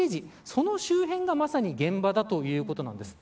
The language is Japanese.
その周辺がまさに現場だということなんです。